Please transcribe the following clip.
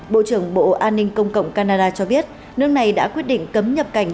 bộ trưởng bộ an ninh công cộng canada cho biết nước này đã quyết định cấm nhập cảnh